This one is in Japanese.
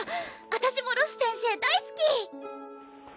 私もロス先生大好き！